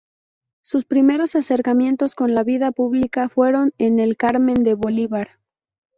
Sus primeros acercamientos con la vida pública fueron en El Carmen de Bolívar.